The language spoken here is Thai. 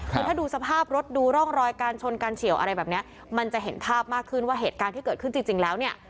คือถ้าดูสภาพรถดูร่องรอยการชนการเฉียวอะไรแบบนี้มันจะเห็นภาพมากขึ้นว่าเหตุการณ์ที่เกิดขึ้นจริงแล้วเนี่ย